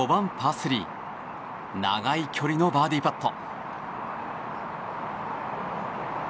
３長い距離のバーディーパット。